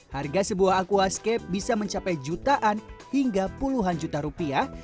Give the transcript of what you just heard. harga sebuah aquascape bisa mencapai jutaan hingga puluhan juta rupiah